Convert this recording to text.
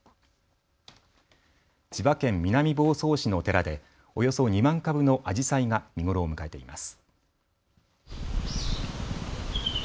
千葉県南房総市の寺でおよそ２万株のアジサイが見頃を迎えています。